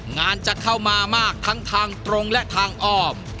งานจะเข้ามามากทั้งทางตรงและทางอ้อม